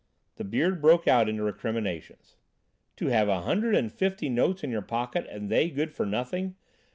The Beard broke out into recriminations. "To have a hundred and fifty notes in your pocket, and they good for nothing!